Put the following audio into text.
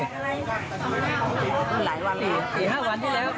๔๕วันที่แล้วครับ